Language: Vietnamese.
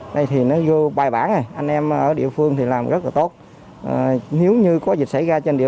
đây thì nó vô bài bản anh em ở địa phương thì làm rất là tốt nếu như có dịch xảy ra trên địa